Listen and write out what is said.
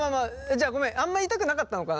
じゃあごめんあんま言いたくなかったのかな。